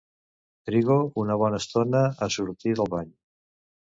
Trigo una bona estona a sortir del bany.